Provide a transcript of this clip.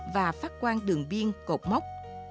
và phát quan đường biên cột mốc